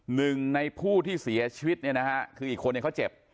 หนึ่งในผู้ที่เสียชีวิตเนี่ยนะฮะคืออีกคนเนี่ยเขาเจ็บ